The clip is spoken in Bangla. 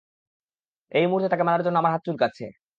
এই মুহূর্তে তাকে মারার জন্য আমার হাত চুলকাচ্ছে।